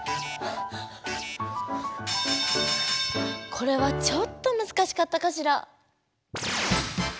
これはちょっとむずかしかったかしら。